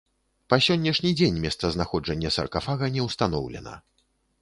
Па сённяшні дзень месцазнаходжанне саркафага не ўстаноўлена.